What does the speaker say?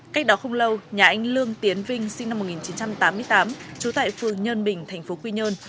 cách đó không lâu nhà anh lương tiến vinh sinh năm một nghìn chín trăm tám mươi tám trú tại phường nhân bình tp quy nhơn